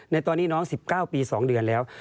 ในตอนนี้น้อง๑๙ปี๒เดือนแล้ว